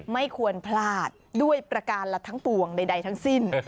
ไม่ควรพลาดด้วยประการและทั้งปวงใดทั้งสิ้น